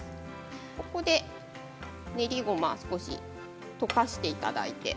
ここで、練りごまを少し溶かしていただいて。